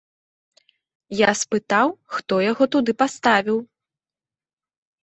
Я спытаў, хто яго туды паставіў.